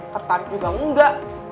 tertarik juga enggak